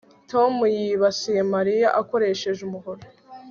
Tom yibasiye Mariya akoresheje umuhoro